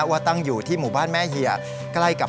ว่าตั้งอยู่ที่หมู่บ้านแม่เหยา